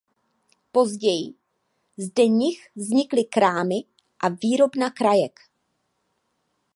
Později zde nich vznikly krámy a výrobna krajek.